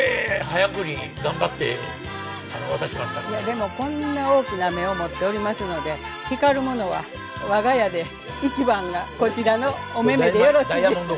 でもこんな大きな目を持っておりますので光るものは我が家で一番がこちらのお目目でよろしいです。